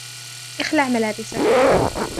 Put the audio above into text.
اخلع ملابسك!